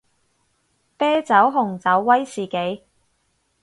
啤酒紅酒威士忌